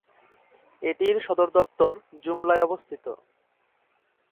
এটির সদরদপ্তর জুমলায় অবস্থিত।